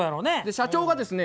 社長がですね